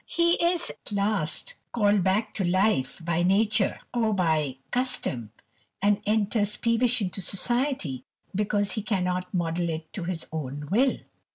He is at last called back to life by nature, or by custom, and enters peevish into society, because he cannot model it to his own will.